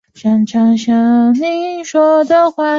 射箭比赛于亚特兰大的石山举行。